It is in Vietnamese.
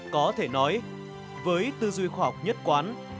có thể nói với tư duy khoa học nhất quán